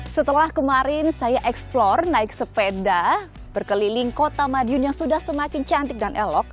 setelah kemarin saya eksplor naik sepeda berkeliling kota madiun yang sudah semakin cantik dan elok